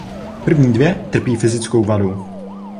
První dvě trpí fyzickou vadou.